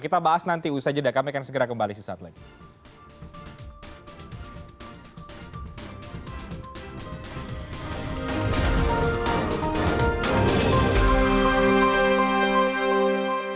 kita bahas nanti usaha jeda kami akan segera kembali suatu saat lagi